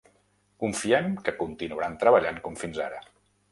Confiem que continuaran treballant com fins ara.